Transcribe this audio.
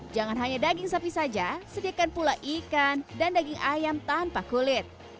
jangan hanya daging sapi saja sediakan pula ikan dan daging ayam tanpa kulit